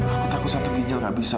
aku takut satu ginjal gak bisa